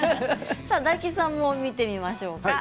大吉さんも見てみましょうか。